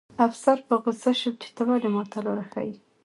افسر په غوسه شو چې ته ولې ماته لاره ښیې